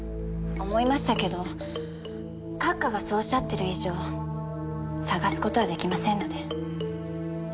思いましたけど閣下がそうおっしゃってる以上捜すことはできませんので。